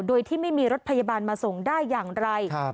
โดยที่ไม่มีรถพยาบาลมาส่งได้อย่างไร